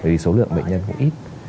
vì số lượng bệnh nhân cũng ít